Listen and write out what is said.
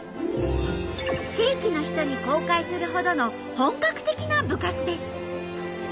地域の人に公開するほどの本格的な部活です。